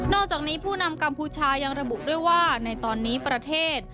อกจากนี้ผู้นำกัมพูชายังระบุด้วยว่าในตอนนี้ประเทศ